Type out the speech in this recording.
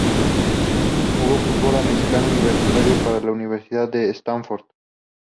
Jugó fútbol americano universitario para la Universidad de Stanford.